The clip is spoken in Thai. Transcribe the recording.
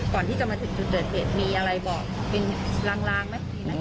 ก่อนที่จะมาถึงจุดเกิดเหตุมีอะไรบอกเป็นลางไหม